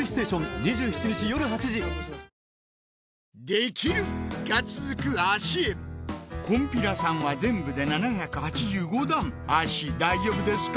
できる！が続く脚へこんぴらさんは全部で７８５段脚大丈夫ですか？